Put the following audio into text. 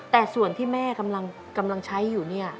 แต่ส่วนที่แม่กำลังใช้อยู่เนี่ย